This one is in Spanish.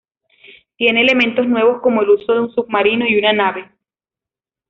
Tiene elementos nuevos como el uso de un submarino y una nave.